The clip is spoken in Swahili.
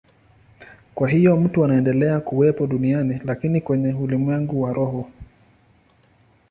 Kwa hiyo mtu anaendelea kuwepo duniani, lakini kwenye ulimwengu wa roho.